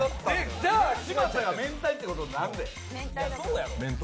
じゃあ、嶋佐がめんたいってことになんで。